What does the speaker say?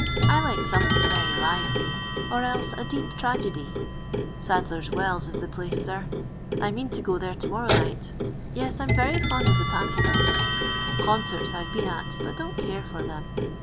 I like something very lively, or else a deep tragedy. Sadler's Wells is the place, sir. I m^n to go there t') jnorrow night. Yes, I'm very fond «f the paHtoraimes. Concerts I've been at, but don't care for them.